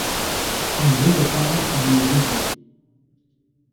Une rue de Parme lui est dédiée.